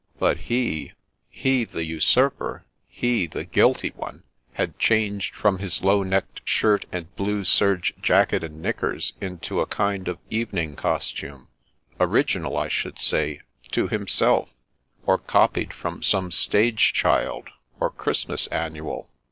But he — ^he, the usurper, he, the guilty one — ^had changed from his low necked shirt and blue serge jacket and knickers ^nto a kind of evening costume, original, I should say; to himself, or copied from some stage child, or Christ mas Annual.